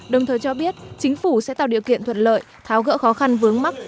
đồng thời cho biết chính phủ sẽ tạo điều kiện thuận lợi tháo gỡ khó khăn vướng mắt